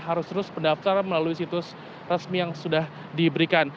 harus terus mendaftar melalui situs resmi yang sudah diberikan